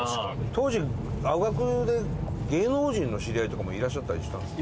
当時青学で芸能人の知り合いとかもいらっしゃったりしたんですか？